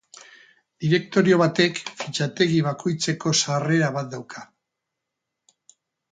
Direktorio batek fitxategi bakoitzeko sarrera bat dauka.